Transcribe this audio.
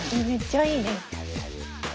めっちゃいいです。